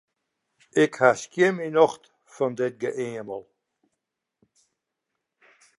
Ik ha skjin myn nocht fan dit geëamel.